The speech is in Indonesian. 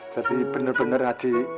jadi bener bener aja